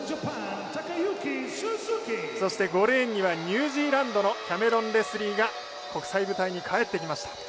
そして、５レーンにはニュージーランドのキャメロン・レスリーが国際舞台に帰ってきました。